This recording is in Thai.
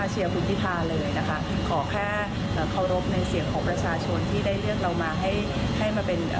เชียร์คุณพิธาเลยนะคะขอแค่เอ่อเคารพในเสียงของประชาชนที่ได้เลือกเรามาให้ให้มาเป็น